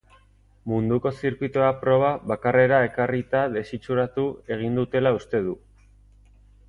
Munduko zirkuitoa proba bakarrera ekarrita desitxuratu egin dutela uste du.